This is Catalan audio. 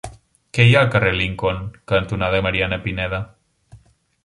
Què hi ha al carrer Lincoln cantonada Mariana Pineda?